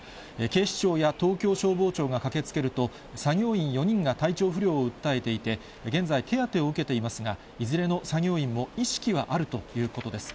警視庁や東京消防庁が駆けつけると、作業員４人が体調不良を訴えていて、現在、手当てを受けていますが、いずれの作業員も意識はあるということです。